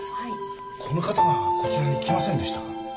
この方がこちらに来ませんでしたか？